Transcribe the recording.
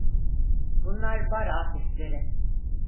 Bunlar bar artistleri…